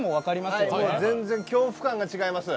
全然、恐怖感が違います。